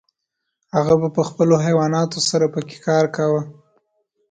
هغه به په خپلو حیواناتو سره پکې کار کاوه.